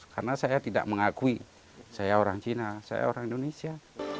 karena saya tidak mengakui saya orang cina saya orang indonesia